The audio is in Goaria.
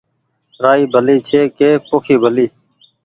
رآئي ڀلي ڇي ڪي پوکي ڀلي